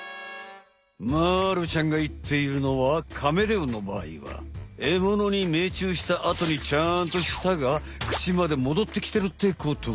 まるちゃんがいっているのはカメレオンの場合はえものにめいちゅうしたあとにちゃんと舌がくちまで戻ってきてるってこと。